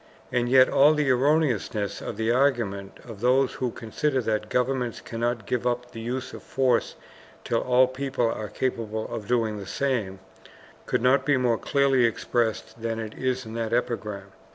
And yet all the erroneousness of the argument of those who consider that governments cannot give up the use of force till all people are capable of doing the same, could not be more clearly expressed than it is in that epigram.